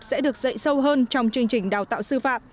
sẽ được dạy sâu hơn trong chương trình đào tạo sư phạm